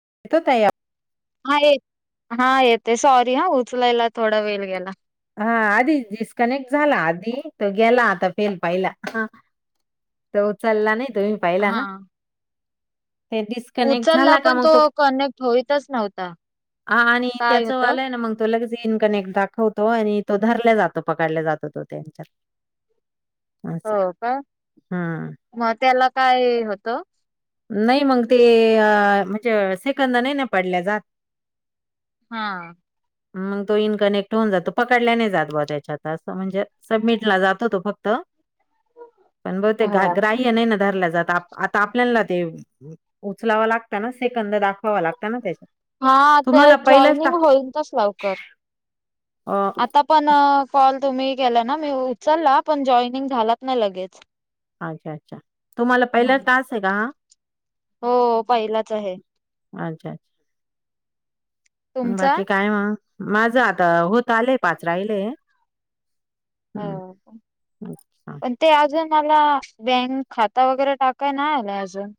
[unintelligible] हा येत हा येते सॉरी हा उचलायला थोडा वेल गेला. हा आधी डिस्कनेक्ट झाला आधी तो गेला आता [unintelligible] ह तो उचल्ला नाही तुम्ही पहिला ना ते डिस्कनेक्ट उचल्ला झाला का पण मग तो कनेक्ट होईतच नव्हता. आ आणि काय त्याच होतं वालाय ना मग तो लगे ती इनकनेक्ट दाखवतो आणि तो धरल्या जातो पकडला जातो तो त्यांच्यात हो असं का हम्म म त्याला काय होत? नाही मग ते अ म्हणजे सेकंद नाही न पडल्या जात. हा. हम्म तो इनकनेक्ट होऊन जातो पकडल्या नाही जात बा त्याच्यात म्हणजे सबमिटला जातो तो फक्त पण ब ते ग्रा हा. ग्राह्य नाही ना धरल्या जात आप आता आप ल्यांना देव उचलावं लागत ना सेकंद दाखवावा लागता ना त्य हा आता जॉईनिंग होईतच लवकर अ आता पण कॉल तुम्ही केला ना मी उ उचलला पण जॉईनिंग झालाचं नाही लगेच च्छा अच्छा तुम्हाला पहिले टास आहे का हा? हो पहिलाच आहे. म तुमचा? बाकी काय म माझं आता होत आलंय पाच राहिले. अ पण ते आजून ला बँक खाता वगैरे टाकाय नाय आलय अजून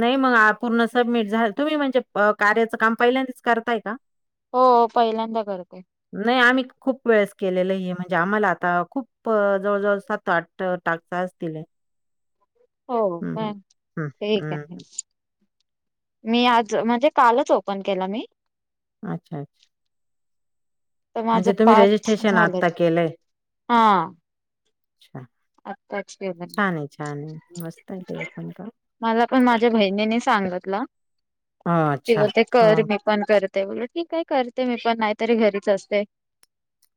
नाही मग आ पूर्ण सबमिट झा तुम्ही म्हणजे म कार्याचं काम पहिल्यांदीच करताय का? हो पहिल्यांदा करते. नाही आम्ही खूप वेळेस केलेलय. णजे आम्हाला आता खूप जवळ जवळ सात आठ टाक असतीलय हो काय ठीक के हम्म मी आज म्हणजे कालच ओपन केलं मी अच्छा अच्छा तर म्हणजे माझं तुम्ही पाच रजिस्ट्रेशन आता झालेत केलंय हा अच्छा आत्ताच केलं मी छान आहे छान आहे मस्त आहे ते पण का मला पण माझ्या बहिणीनी सांगितला अ अच्छा किव ते ह कर मी पण कर बोल ठीक आहे करते मी पण नाहीतरी घरीच असते.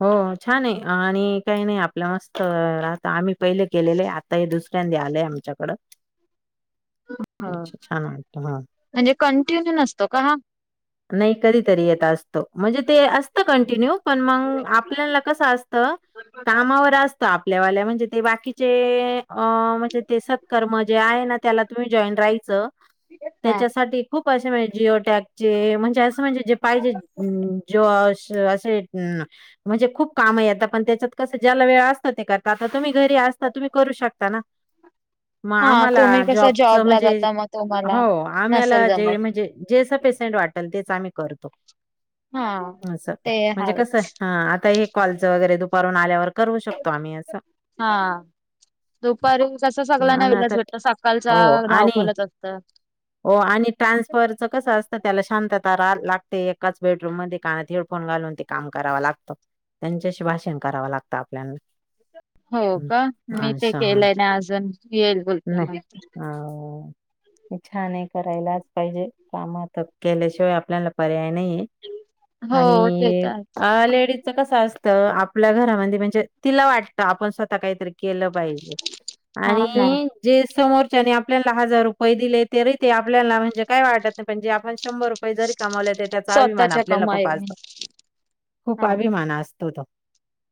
हो छान आहे आणि काही नाही आपल्या मस्त आता आम्ही पहिले केलेले आहे आता हे दुस [unintelligible] आलय आमच्याकडं ह अच्छा छान वाटतं हा. म्हणजे कंटिन्यू न नाही कधीतरी असत म्हणजे असत कंटन्य पण म आपल्याला कसं असत कामावर असत आपल्यावाल्या म्हणजे ते बाकीचे अ म्हणजे ते सत्कर्म जे आहे ना त्याला तुम्ही जॉईन राहायचं हा त्याच्यासाठी खूप म्हणजे जिओटॅकचे म्हणजे असं म्हणजे जे पाहिजे जो असे म्हणजे खूप काम आहे आता पण त्याच्यात कसं ज्याला वेळ असतं ते करत आता तुम्ही घरी असता तुम्ही करू शकता ना ह मग आम्हाला जॉबच म्हणजे जाता मग हो तुम्हाला नसेल आम्याला जे जमत म्हणजे जे वाटतं ते सांग मी करतो हा असं ते म्हणजे आहेत कस हा ह आता हे कॉलच वगैरे दुपारून आल्यावर करू शकतो आम्ही असं हा दुपारी कस सगळ्यांना आणि वेलाच आता भेटत सकाळच हो आणि धावपलच असत हो आणि ट्रान्सफरच कसं असतं त्याला शांतता लागते एकाच बेडरूम मध्ये कानात हेडफोन घालून ते काम कराव लागते त्यांच्याशी भाषण करावं लागतं आपल्याला हो हं. का मी ते अच्छा हा केलंय ना अजून येईल बोलतोय नाही माहिती [unintelligible] अ छान आहे करायलाच पाहिजे कामात केल्याशिवाय आपल्याला पर्याय हो ते आणि तर आहे. लेडीज कस अस आपल्या घरामध्ये म्हणजे तिला वाटत आपण स्वतः काहीतरी केलं हा आणि ना जे सम आपल्याला ह जार रुपये दिले तरी ते आपल्याला म्हणजे काय वाटत नाहीणजे शंभर रुपये जरी कमावले त्याचा अभिमान स्वतःच्या आपल्याला खूप कमाईने असत खूप हा. अभिमान असतो ो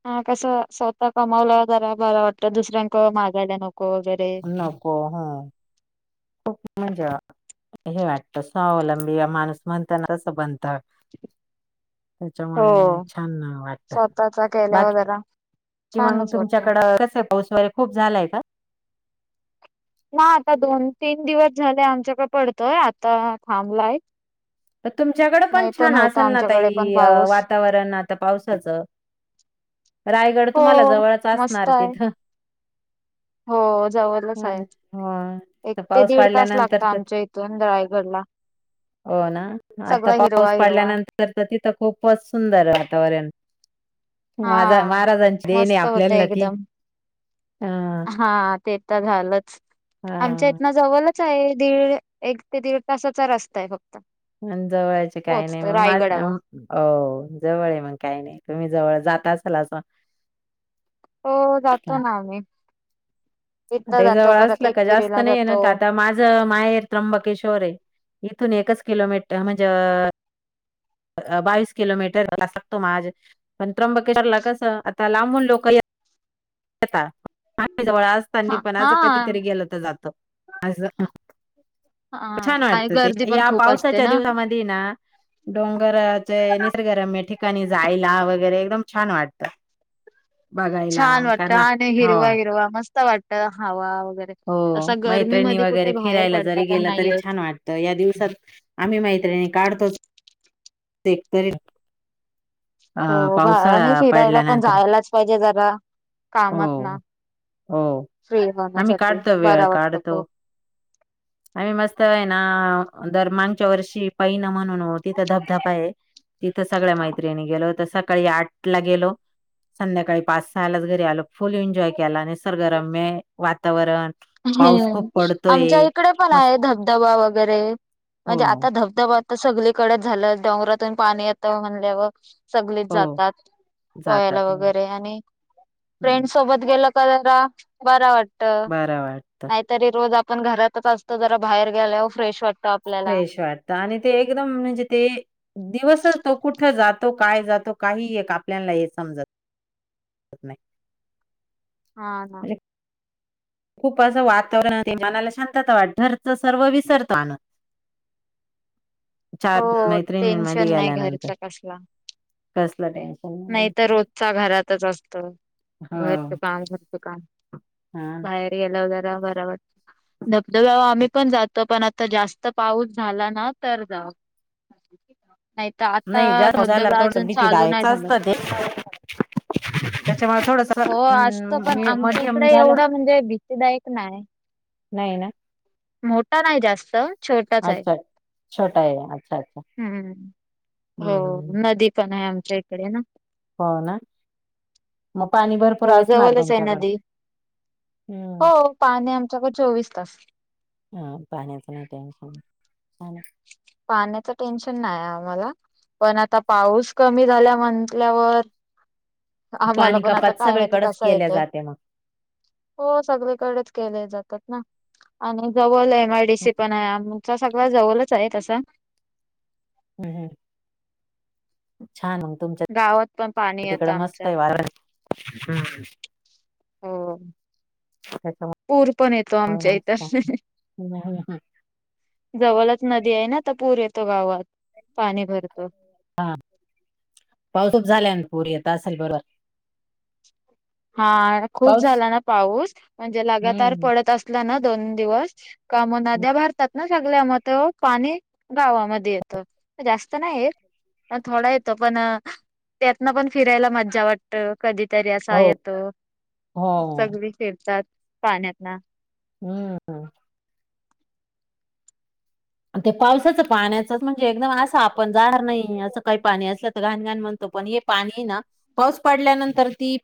हा कस स्वतः कमवलं जरा बर वाटत दुसऱ्यांक मागायला नको वगैरे. नको ह म्हणजे हे वाटत स्वावलंबी माणूस म्हणताना तसं बनत हो त्याच्यामुळे छान वाटत स्वतःचा बाकी केल्यावर जरा कि मग छानच वाटतं. तुमच्याकडं कस पाऊस वगैरे खूप झालाय का ना आता दोन तीन दिवस झाले आमच्याक पडतय आता थांबलाय तर तुमच्याकडें पण नाही तर छान नव्हता असेल ना आमच्याकडे पण तई पाऊस. वातावरण आता पावसाचं रायगड हो तुम्हाला जवळच मस्त असणार आहे. तिथं हो जवळच हां आहे ना. हो. एक तर ते पाऊस दीड तास लागत पडल्यानंतर तर आमच्या इथून रायगडला ह हो ना आता पाऊस पडल्यानंतर तर तिथं खूपच सुंदर वातावरण हा माझा महाराजांची देण आहे मस्त होत आपल्याला ती. एकदम हां, हा ते तर झालंच आमच्या हां. इथन जवळच आहे दीड एक ते दीड तासाचा रस्ता आहे फक्त जवळचे काही नाही पोहोचतो मग मा रायगडावर. जवळ आहे मग काही नाही तुम्ही जवळ जाताच खलासा हो जातो ना आम्ही इथं आता जातो जवळ परत असलं का जास्त एकविरेला नाहीय जातो. न्हत आता माझं माहेर त्र्यंबकेशवर आहे इथून एकच किलोमीटर म्हणजे बावीस किलोमीटर लागतो माज पण त्र्यंबकेशरला कस आता लांबून लोक अया. जवळ असतानी हां पण असं हां. कधीतरी गेलं तर जात अस हां छान आणि वाटत ते गर्दी पण या खूप असते पावसाच्या ना. दिवसामध्ये ना. डोंगराचे निसर्गरम आहे. ठीक काणी जायला वगैरे एकदम छान वाटत बघायला. वाटतं कारण छान हो हिरवा हिरवा मस्त वाटत हवा. वगैरे. हो तसा मैत्रिणी गरमीमध्ये कुठे वगैरे बाहेर फिरायला पडता जरी पण गेलं नाही तरी येत. छान वाटतं या दिवसात आम्ही मा काढतो. एक तरी अ हो बाळा ने पावसाळा फिरायला पण पडल्यानंतर जायलाच पाहिजे जरा हो कामात ना हो आम्ही काढतो वेळ बरा वाटतो खूप. काढतो. आम्ही मस्त आहे आहे ना दर मागच्या वर्षी पैन म्हणून तिथं धबधबा आहे तिथं सगळ्या मैत्र गेलो तर सकाळी आठ ला गेलो. संध्याकाळी पाच सहायलाच घरी आल फुल एन्जॉय केला आणि निसरगरम्य वातावरण पाऊस हम्म खूप आमच्या पडतोय इकडे पण मस्त आहे धबधबा वगैरे हो म्हणजे आता धबधबा तर सगळीकडेच झालं डोंगरातून पाणी यता म्हणल्यावर सगच हो जातात पयाला जातात वगैरे आणि फ्रेंड हम्म सोबत गेलं जरा बरा वाटत बरं वाटतं नाहीतरी रोज आप पण घरातच असत जरा बाहेर गेल्यावर फ्रेश वाट फश वाटत आणि ते एकदम म्हणजे ते दिवसच तो कुठ जात तो काय जातो काही एक आपल्याला हे समजत नाही. हा हा. म्हणजे खूप असं वातावरण मनाला शांतता वाटरच सर्व विसरतो आणन. हो मैत्रिणींमध्ये टेन्शन नाही गेल्यानंतर घरचा कसला कसलं टेन्शन नाही तर घ्यायचं. रोजचा घरातच असत घरचं हो काम घरचं काम हा बाहेर गेला जरा बरा वाटत. धबधब आम्ही पण जातो पण आता जास्त पाऊस झाला ना तर जाऊ अक [inaudible] नाही जास्ला थोडस भीती चालू दय नाही झाला. असत ते. [inaudible] त्याच्यामुळे थोडस हो असतो पण आमच्या मध्यम इकडे झालं. एवढा म्हणजे भीतीदायक नाही. नाही ना. मोठा नाही जास्त छोटाच आहे. अच्छा छोटा आहे अच्छा अच्छा हम्म हो. हम्म नदी पण आहे आमच्या इकडे ना हो ना मग पाणी भरपूर हो असणार जवळच आहे तुमच्याकड नदी. हो पाणी आमच्याकडे चोवीस तास हा पाण्या नाय टेन्शन छान. आहे. पाण्याचा टेन्शन नाही आम्हाला पण आता पाऊस कमी झाला म्हटल्यावर आाम्हाला पाणी पण आता कपात काय माहिती आहे सगळीकडेच कस केल्या येतय जाते मग. हो सगळीकडेच केले जातात. आणि जवळ एम आय डी सी पण आहे. सगळ जवळच आहे तस हम् हम्म. छान म गावात पण पाणी तुमच्या येतं तिकडं मस्त आमच्या आहे वार हो पूर पण येतो आमच्या इथर मस्त आहे. हम्म, हम्म, हम्म. जवळच नदी आहे ना, तर पूर येतो गावात. पाणी भरतो हा पाऊसच झाल्यानंतर पूर येत असल बरं हा खूप झाला ना पाऊस. म्हणजे लगातार हम्म. पडत असल्यान दोन दिवस का म नद्या भरतात ना. सगल्या मत पाणी गावामध्ये येत जास्त नाही येतं. ह थोडा येतो पण त्यातन पण फिरायला मज्जा वाटत. कधीतरी असा हो येतो. हो. सगळी फिरतात पाण्यात ना हम्म हम. ते पावसाचं पाण्याचच म्हणजे एकदम असा आपण जाणार नाही असं काही पाणी असलं तर घाण घाण म्हणतो. पण हे पाणी आहे ना पाऊस पडल्यानंतर ती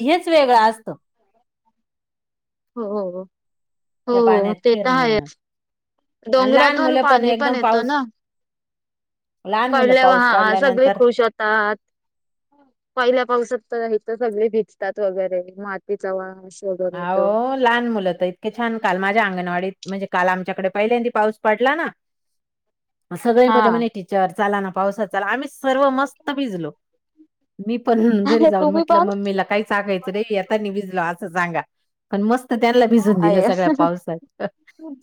हेच वेगळं असत. हो हो हो त्या हो पाण्यात ते तर फिरणं आहेच. आणि लहान डोंगरातून मुलं पाणी पण एकदम येत पाऊस ना. लहान मुलं पडल्यावर पाऊस हा सगळे पडल्यानंतर खुश होतात. पहिल्या पावसात तर तर सगळे भिजतात वगैरे मातीचा वास. वगैरे येतो आहो लहान मुलंत इतके छान काल माझ्या अंगणवाडीत. म्हणजे काल आमच्याकडे पहिल्यांदी पाऊस पडला ना सगळे हा मुल म्हणे टीचर. चला ना पावसात चला आम्ही सर्व मस्त भिजलो. मी पण घरी अरे जाऊन तुम्ही म्हटलं पण मम्मीला काही सांगायचं नाही. येतानी भिजला असं सांगा. पण मस्त त्यांला भिजून दिलं आहे सगळ्या पावसात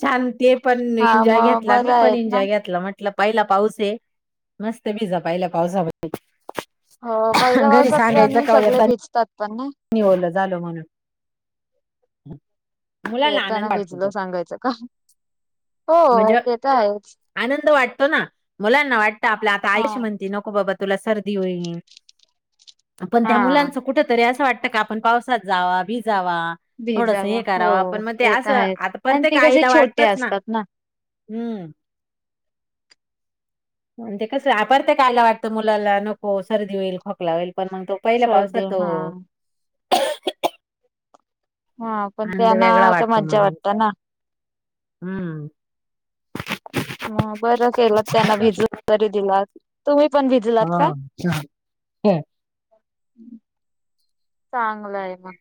छान ते पण हा एन्जॉय मग घेतला मी बरं पण आहेत ना एन्जॉय यातला म्हटलं पहिला पाऊस आहे मस्त भिजा पहिला पावसा मध्ये. हो पहिल्या पावसात आणि सगळे भिजतात. पण ना निवडल झालं म्हणून. मुलांना येताना आनंद वाटतो भिजलं तो सांगायचं का. हो म्हणजे ते तर आहेच. आनंद वाटतो ना मुलांना वाटत आपली आता आई हा अशी म्हणते नको बाबा. तुला सर्दी होईल पण त्या हा मुलांच कुठ तरी असं वाटत. का आपण पावसात जावा भिजावा. थोडस भिजावा हे कराव हो पण मग ते तर असं आहेच आता आणि प्रत्येक ते कसे आईला छोटे वाटतच ना. असतात हम्म. आणि ते कस प्रत्येक आईला व वाटतं मुलाला नको सर्दी होईल, खोकला होईल. पण मग तो पहिला सर्दी पावसातो. हा हा पण आनंद त्यांना वेगळा तर वाटतो मज्जा मुलांना वाटत ना. हम्म. मग बरं केलं त्यांना भिजून तरी दिलात तुम्ही पण भिजलात का? हम. चांगलं आहे मग.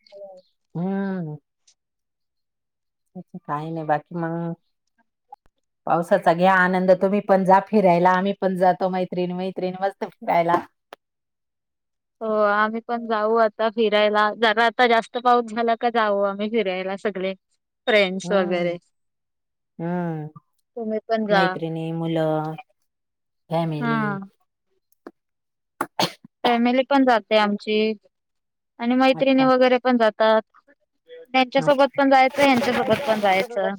हम्. आणखी काही नाही बाकी मग. [unintelligible] पावसाचा घ्या आनंद तुम्ही पण जा फिरायला आम्ही पण जातो मैत्रिणी मैत्रिणी मस्त फिरायला. हो आम्ही पण जाऊ आता फिर फिरायला जरा आता जास्त पाऊस झाला का जाऊ आम्ही फिरायला सगळे. फ्रेंड्स हम्म वगैरे. हम्म तुम्ही पण जा मैत्रिणी, मुलं. हा फॅमिली. फॅमिली पण जाते आमची आणि मैत्रिणी अच्छा वगैरे पण जातात. त्यांच्या सोबत अच्छा. पण जायचंय. यांच्यासोबत पण जायचं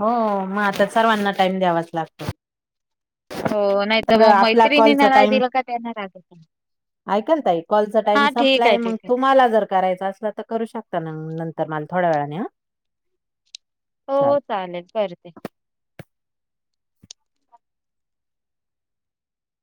हो मग आता सर्वांना टाईम द्यावाच लागतो. हो नाही तर मग आपला मैत्रिणी कॉलचा नाही टाइम दिलं काय त्यांना राग यायचा. ऐका ना ताई कॉलचा टाइम संपलाय ठीक मग आहे तुम्हाला जर करायचा असला तर करू शकता ना मग नंतर तर मग थोड्या वेळाने ह. हो हो चालेल करते.